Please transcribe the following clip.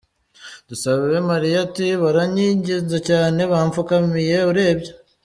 Dusabemariya ati “Baranyinginze cyane, bamfukamiye urebye.